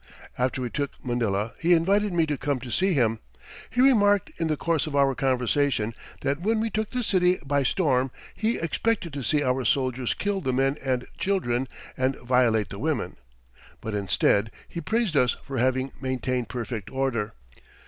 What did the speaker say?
After we took Manila he invited me to come to see him. He remarked in the course of our conversation that when we took the city by storm he expected to see our soldiers kill the men and children and violate the women. But instead he praised us for having maintained perfect order.